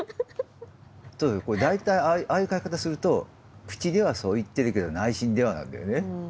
大体ああいう書き方すると「口ではそう言ってるけど内心では」なんだよね。